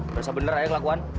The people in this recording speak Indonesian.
bersa bener aja ngelakuan